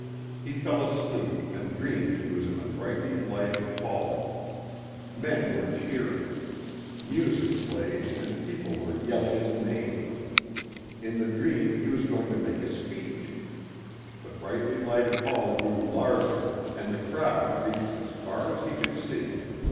He fell asleep and dreamed he was in a brightly lighted hall. Men were cheering. Music played and people were yelling his name. In the dream he was going to make a speech. The brightly lighted hall grew larger and the crowd reached as far as he could see.